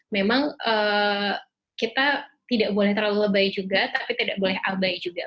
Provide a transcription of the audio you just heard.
memang kita tidak boleh terlalu lebay juga